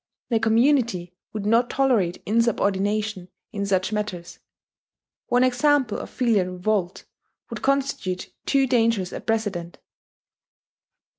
The community would not tolerate insubordination in such matters: one example of filial revolt would constitute too dangerous a precedent.